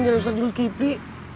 jangan usah judul kipi